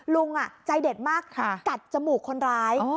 ลุงใจเด็ดมากกัดจมูกคนร้าย